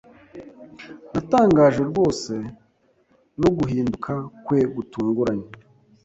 Natangajwe rwose no guhinduka kwe gutunguranye.